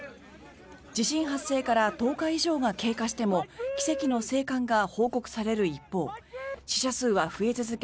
地震発生から１０日以上が経過しても奇跡の生還が報告される一方死者数は増え続け